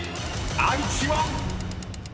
［愛知は⁉］